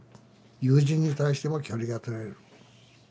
友人に対しても距離が取れる。